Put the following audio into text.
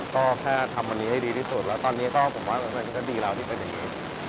ก็แค่ทำวันนี้ให้ดีที่สุดแล้วตอนนี้ก็ผมว่ามันก็ดีแล้วที่เป็นอย่างนี้